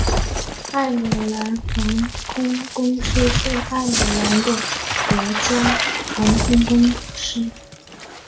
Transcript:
爱尔兰航空公司是爱尔兰的国家航空公司。